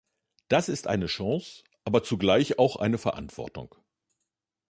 Das ist eine Chance, aber zugleich auch eine Verantwortung.